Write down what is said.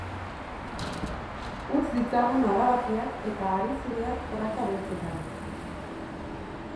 Utz ditzagun adabakiak eta hari zuriak praka beltzetan.